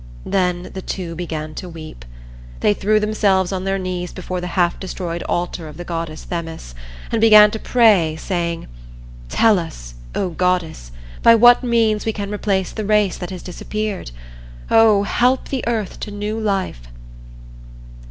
Then the two began to weep. They threw themselves on their knees before the half destroyed altar of the goddess Themis, and began to pray, saying, "Tell us, O goddess, by what means we can replace the race that has disappeared? Oh, help the earth to new life."